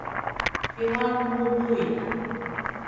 هیواد مو لوی ده.